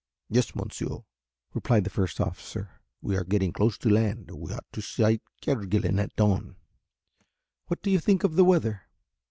"Yes, monsieur," replied the first officer, "we are getting close to land. We ought to sight Kerguelen at dawn." "What do you think of the weather?"